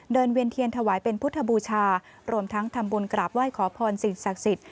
เวียนเทียนถวายเป็นพุทธบูชารวมทั้งทำบุญกราบไหว้ขอพรสิ่งศักดิ์สิทธิ